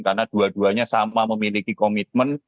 karena dua duanya sama memiliki komitmen